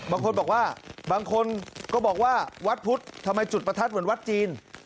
บางคนบอกว่าบางคนก็บอกว่าวัดพุทธทำไมจุดประทัดเหมือนวัดจีน